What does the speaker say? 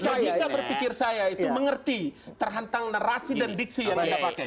sehingga berpikir saya itu mengerti terhantang narasi dan diksi yang anda pakai